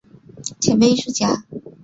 前辈艺术家